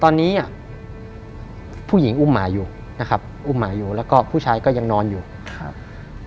ตอนนี้อ่ะผู้หญิงอุ้มหมาอยู่นะครับอุ้มหมาอยู่แล้วก็ผู้ชายก็ยังนอนอยู่ครับ